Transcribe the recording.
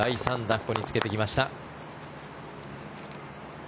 ここにつけてきました。